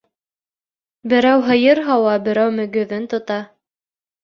Берәү һыйыр һауа, берәү мөгөҙөн тота.